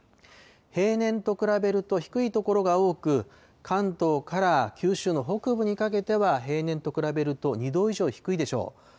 平年と比べると低い所が多く、関東から九州の北部にかけては、平年と比べると２度以上低いでしょう。